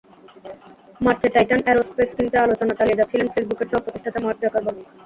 মার্চে Titan aerospace কিনতে আলোচনা চালিয়ে যাচ্ছিলেন ফেসবুকের সহ-প্রতিষ্ঠাতা মার্ক জাকারবার্গ।